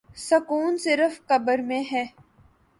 سکون صرف قبر میں ہے